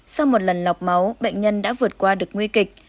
sau một lần lọc máu bệnh nhân đã vượt qua được nguy kịch